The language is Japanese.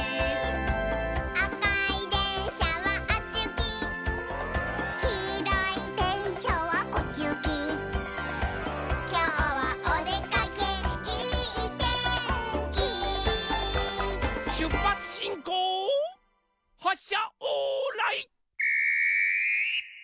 「あかいでんしゃはあっちゆき」「きいろいでんしゃはこっちゆき」「きょうはおでかけいいてんき」しゅっぱつしんこうはっしゃオーライ。